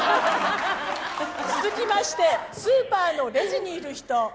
続きまして、スーパーのレジにいる人。